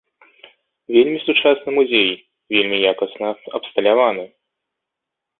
Вельмі сучасны музей, вельмі якасна абсталяваны.